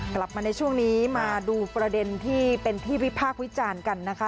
กลับมาในช่วงนี้มาดูประเด็นที่เป็นที่วิพากษ์วิจารณ์กันนะคะ